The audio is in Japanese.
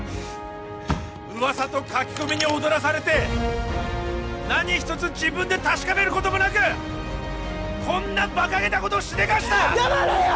噂と書き込みに踊らされて何一つ自分で確かめることもなくこんなバカげたことをしでかした黙れよ！